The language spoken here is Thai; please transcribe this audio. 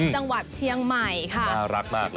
จังหวัดเชียงใหม่ค่ะน่ารักมากเลย